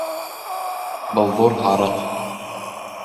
Был ҙур һарыҡ.